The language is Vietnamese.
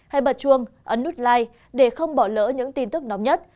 hãy bật chuông ấn nút like để không bỏ lỡ những tin tức nóng nhất